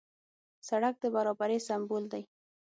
سړک د برابرۍ سمبول دی.